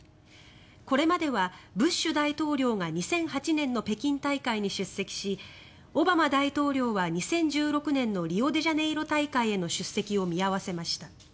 これまではブッシュ大統領が２００８年の北京大会に出席しオバマ大統領は２０１６年のリオデジャネイロ大会への出席を見合わせました。